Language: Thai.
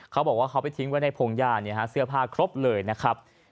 เขาบอกว่าเขาไปทิ้งไว้ในพงหญ้าเสื้อผ้าครบเลยนะครับ